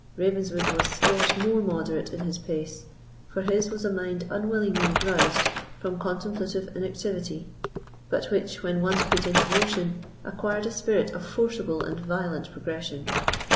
Ravenswood was scarce more moderate in his pace, for his was a mind unwillingly roused from contemplative inactivity, but which, when once put into motion, acquired a spirit of forcible and violent progression.